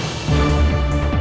garipagi aku bukan femenya